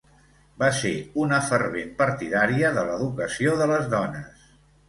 Va ser una fervent partidària de l'educació de les dones.